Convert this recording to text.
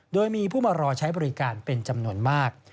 โดยมีผู้มารอใช้บริการเป็นจำนวนมาก